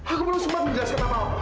aku belum sempat menjelaskan apa